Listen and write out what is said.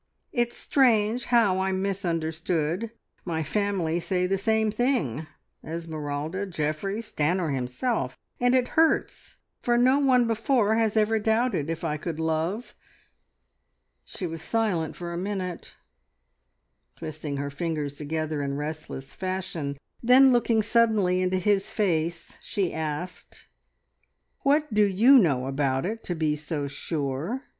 It's strange how I'm misunderstood! My family say the same thing Esmeralda, Geoffrey, Stanor himself, and it hurts, for no one before has ever doubted if I could love..." She was silent for a minute, twisting her fingers together in restless fashion, then looking suddenly into his face she asked: "What do you know about it to be so sure?